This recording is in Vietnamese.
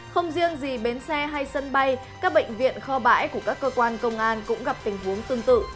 không riêng gì bến xe hay sân bay các bệnh viện kho bãi của các cơ quan công an cũng gặp tình huống tương tự